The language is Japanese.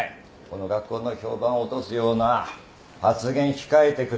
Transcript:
この学校の評判を落とすような発言控えてください。